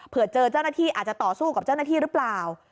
เจอเจ้าหน้าที่อาจจะต่อสู้กับเจ้าหน้าที่หรือเปล่า